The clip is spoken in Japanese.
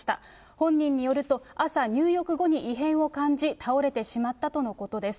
本人によると、朝、入浴後に異変を感じ、倒れてしまったとのことです。